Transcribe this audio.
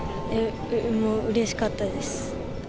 もう、うれしかったです。